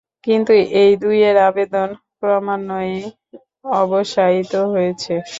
কিন্তু এই দুইয়ের আবেদন ক্রমান্বয়েই অবসায়িত হয়েছে।